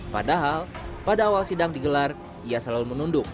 padahal pada awal sidang digelar ia selalu menunduk